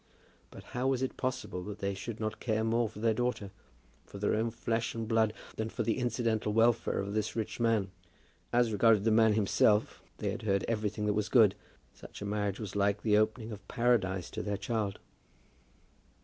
But how was it possible that they should not care more for their daughter, for their own flesh and blood, than for the incidental welfare of this rich man? As regarded the man himself they had heard everything that was good. Such a marriage was like the opening of paradise to their child.